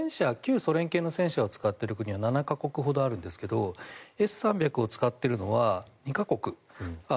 旧ソ連系の戦車を使っているのは７か国ほどあるんですがＳ３００を使っているのは２か国。